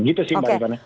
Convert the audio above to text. gitu sih mbak rifana